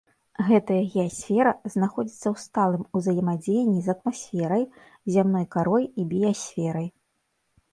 Гэтая геасфера знаходзіцца ў сталым узаемадзеянні з атмасферай, зямной карой і біясферай.